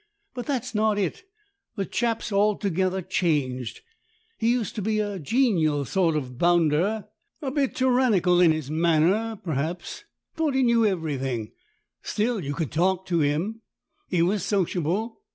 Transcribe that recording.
But that's not it : the chap's altogether changed. He used to be a genial sort of bounder bit tyrannical in his manner, perhaps thought he knew everything. Still, you could talk to him. He was sociable.